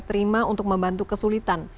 terima untuk membantu kesulitan